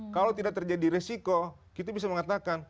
kalau tidak terjadi resiko kita bisa mengatakan